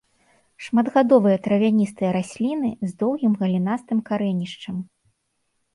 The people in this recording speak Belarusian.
Шматгадовыя травяністыя расліны з доўгім галінастым карэнішчам.